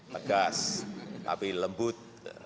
tegas tapi lembut